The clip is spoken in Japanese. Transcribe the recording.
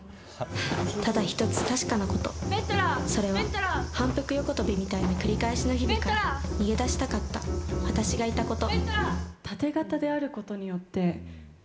ただ１つ確かなこと、それは反復横跳びみたいな繰り返しの日々から逃げ出したかった、私がいたこと。